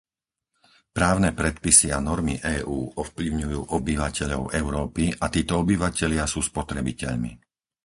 Právne predpisy a normy EÚ ovplyvňujú obyvateľov Európy a títo obyvatelia sú spotrebiteľmi.